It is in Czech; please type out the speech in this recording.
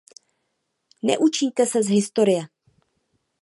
Neučíte se z historie.